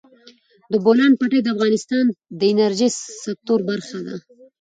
د بولان پټي د افغانستان د انرژۍ سکتور برخه ده.